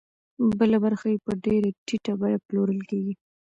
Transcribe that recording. بله برخه یې په ډېره ټیټه بیه پلورل کېږي